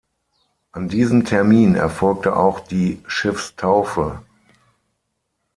An diesem Termin erfolgte auch die Schiffstaufe.